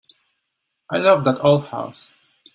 I love that old house.